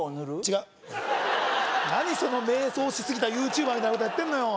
違う何その迷走しすぎたＹｏｕＴｕｂｅｒみたいなことやってんのよ？